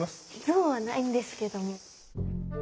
像はないんですけども。